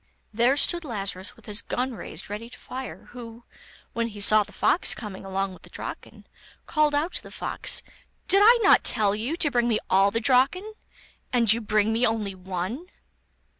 There stood Lazarus with his gun raised ready to fire, who, when he saw the fox coming along with the Draken, called out to the fox: 'Did I not tell you to bring me all the Draken, and you bring me only one?